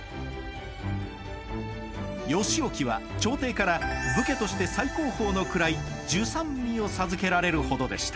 義興は朝廷から武家として最高峰の位従三位を授けられるほどでした。